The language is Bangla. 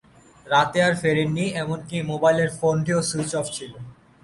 রাতে আর ফেরেননি, এমনকি মোবাইল ফোনটিও সুইচড অফ ছিল।